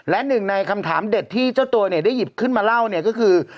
และหนึ่งในคำถามเด็ดที่เจ้าตัวเนี่ยได้หยิบขึ้นมาเล่าเนี่ยก็คือ